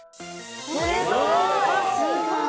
すごい！